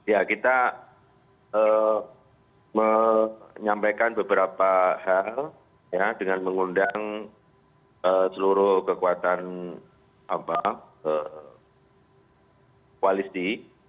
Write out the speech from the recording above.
ya kita menyampaikan beberapa hal ya dengan mengundang seluruh kekuatan koalisi